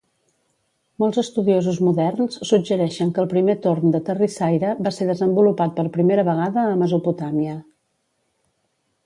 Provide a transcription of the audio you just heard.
Molts estudiosos moderns suggereixen que el primer torn de terrissaire va ser desenvolupat per primera vegada a Mesopotàmia.